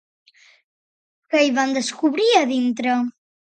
Què hi van descobrir a dintre?